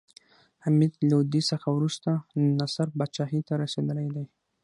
حمید لودي څخه وروسته نصر پاچاهي ته رسېدلى دﺉ.